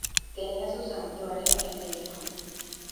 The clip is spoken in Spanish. Tenía su santuario en Edfu.